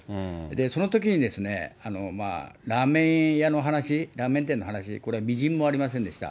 そのときにラーメン屋の話、ラーメン店の話、これはみじんもありませんでした。